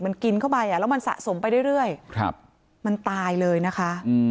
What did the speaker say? มันกินเข้าไปแล้วมันสะสมไปเรื่อยมันตายเลยนะคะ